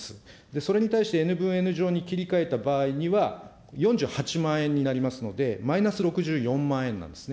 それに対して、Ｎ分Ｎ乗に切り替えた場合には、４８万円になりますので、マイナス６４万円なんですね。